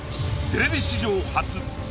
テレビ史上初！